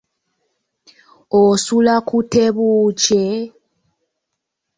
Osula ku tebuukye.